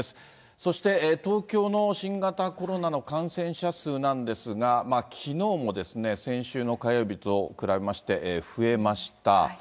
そして、東京の新型コロナの感染者数なんですが、きのうも先週の火曜日と比べまして増えました。